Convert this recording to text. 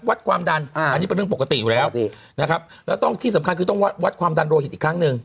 วัดความดันอันนี้เป็นเรื่องปกติอยู่แล้วนะครับแล้วต้องที่สำคัญคือต้องวัดความดันโลหิตอีกครั้งหนึ่ง